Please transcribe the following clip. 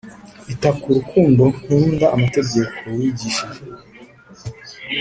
Ita ku rukundo nkunda amategeko wigishije